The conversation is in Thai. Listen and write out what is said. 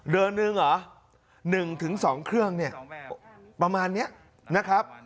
เดินหนึ่งหรอหนึ่งถึงสองเครื่องเนี่ยประมาณเนี้ยนะครับ